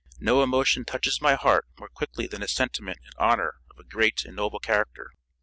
No emotion touches my heart more quickly than a sentiment in honor of a great and noble character.